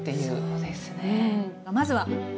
そうですね。